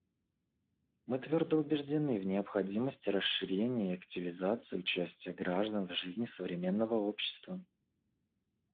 Мы твердо убеждены в необходимости расширения и активизации участия граждан в жизни современного общества.